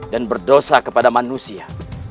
dan berdosa kepada manusia